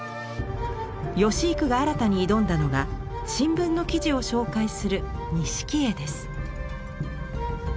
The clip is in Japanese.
芳幾が新たに挑んだのが新聞の記事を紹介する錦絵です。